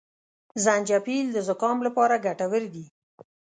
زنجپيل د زکام لپاره ګټور دي